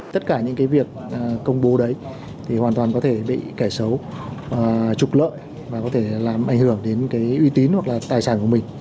tất cả những cái việc công bố đấy thì hoàn toàn có thể bị kẻ xấu trục lợi và có thể làm ảnh hưởng đến cái uy tín hoặc là tài sản của mình